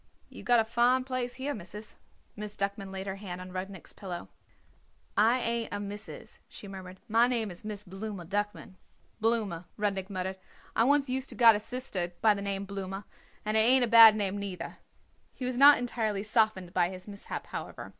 "You got a fine place here, Missis." Miss Duckman laid her hand on Rudnik's pillow. "I ain't a Missis," she murmured. "My name is Miss Blooma Duckman." "Blooma," Rudnik muttered. "I once used to got a sister by the name Blooma, and it ain't a bad name, neither." He was not entirely softened by his mishap, however.